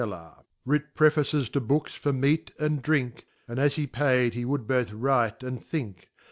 Writ Writ Prefaces *p Books for Meat and Drink, And as he paid, he would both write and think.